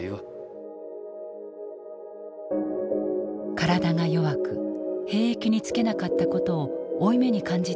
体が弱く兵役に就けなかったことを負い目に感じていた竹鼻。